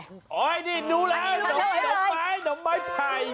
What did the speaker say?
อ๋อนี่ดูแล้วนมไม้ไพ